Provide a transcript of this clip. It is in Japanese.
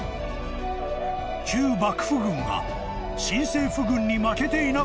［旧幕府軍が新政府軍に負けていなかったら］